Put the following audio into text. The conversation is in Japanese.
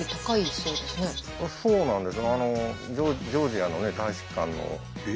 そうなんです。